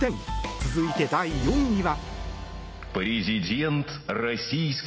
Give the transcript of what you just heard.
続いて、第４位は。